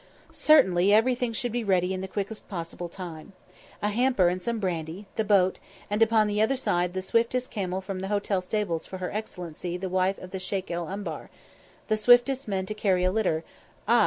Certainly everything should be ready in the quickest possible time. A hamper and some brandy; the boat; and upon the other side the swiftest camel from the hotel stables for her Excellency the wife of the Sheikh el Umbar; the swiftest men to carry a litter ah!